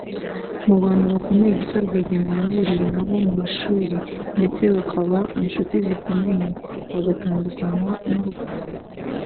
Mu bantu bakomeye Gisa Fred Rwigema yahuriye nabo mu mashuri ndetse bakaba inshuti zikomeye bagatandukanywa n’urupfu